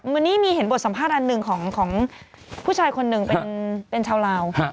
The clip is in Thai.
วันนี้มีเห็นบทสัมภาษณ์อันหนึ่งของผู้ชายคนหนึ่งเป็นชาวลาว